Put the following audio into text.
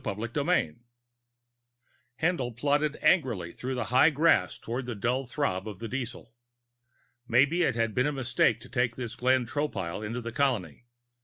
VIII Haendl plodded angrily through the high grass toward the dull throb of the diesel. Maybe it had been a mistake to take this Glenn Tropile into the colony.